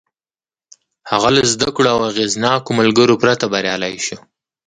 هغه له زدهکړو او اغېزناکو ملګرو پرته بريالی شو.